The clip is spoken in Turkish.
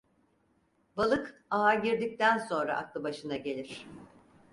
Balık ağa girdikten sonra aklı başına gelir.